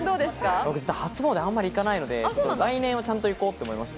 僕、初詣あんまり行かないので、来年は行こうと思いました。